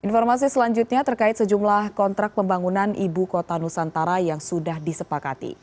informasi selanjutnya terkait sejumlah kontrak pembangunan ibu kota nusantara yang sudah disepakati